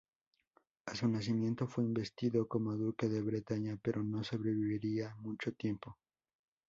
A su nacimiento, fue investido como Duque de Bretaña, pero no sobreviviría mucho tiempo.